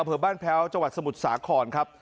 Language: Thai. อำเภอบ้านแพ้วจังหวัดสมุทรสาครครับ